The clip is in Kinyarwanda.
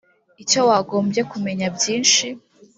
icyo wagombye kumenya byinshi